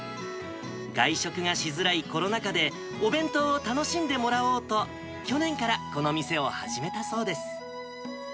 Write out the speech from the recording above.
外食がしづらいコロナ禍で、お弁当を楽しんでもらおうと、去年からこの店を始めたそうです。